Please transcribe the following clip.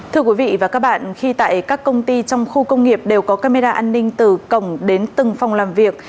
thưa quý vị và các bạn khi tại các công ty trong khu công nghiệp đều có camera an ninh từ cổng đến từng phòng làm việc